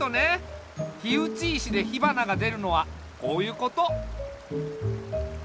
火打ち石で火花がでるのはこういうこと。